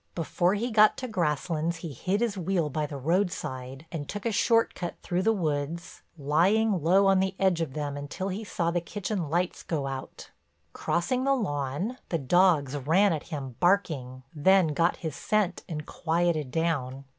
Before he got to Grasslands he hid his wheel by the roadside and took a short cut through the woods, lying low on the edge of them until he saw the kitchen lights go out. Crossing the lawn, the dogs ran at him barking, then got his scent and quieted down.